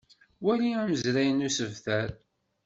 Wali amazray n usebter.